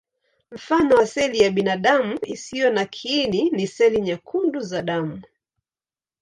Mfano wa seli ya binadamu isiyo na kiini ni seli nyekundu za damu.